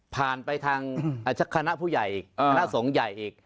พานไปทางอ่ะคณะผู้ใหญ่คณะสงที่ใหญ่อีก